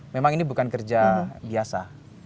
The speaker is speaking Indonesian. memang ini bukan kerja biasa